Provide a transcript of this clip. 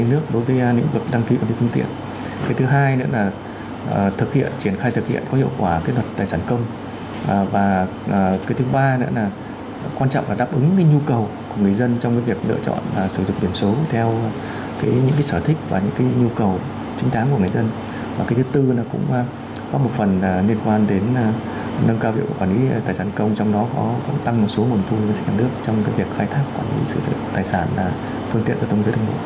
nâng cao hiệu quản lý tài sản công trong đó có tăng một số nguồn thu nhân dân trong việc khai thác quản lý sử dụng tài sản phương tiện